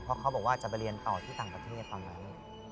เพราะเขาบอกว่าจะไปเรียนต่อที่ต่างประเทศตอนนั้น